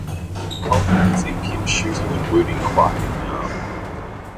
It culminates in Kim shooting and wounding Kwak in the arm.